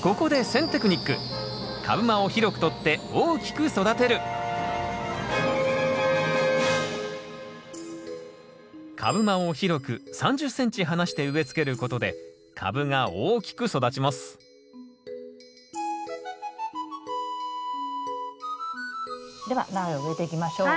ここで株間を広く３０ｃｍ離して植え付けることで株が大きく育ちますでは苗を植えていきましょう。